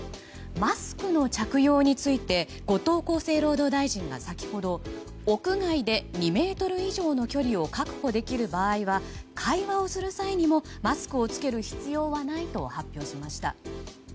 マスクの着用について後藤厚生労働大臣が先ほど屋外で２ｍ以上の距離を確保できる場合は会話をする際にもマスクを着ける必要はないと発表しました。